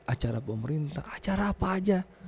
acara pemerintah acara apa aja